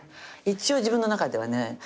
一応自分の中ではね